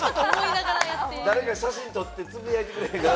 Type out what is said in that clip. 誰か写真撮ってつぶやいてくれへんかな？